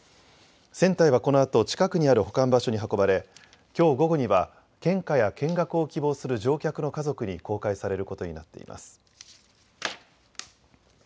船体はこのあと近くにある保管場所に運ばれきょう午後には献花や見学を希望する乗客の家族に公開されることになっています。